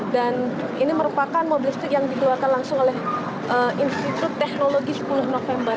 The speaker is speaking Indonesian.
dan ini merupakan mobil listrik yang dikeluarkan langsung oleh institut teknologi sepuluh november